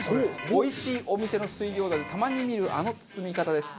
おいしいお店の水餃子でたまに見るあの包み方です。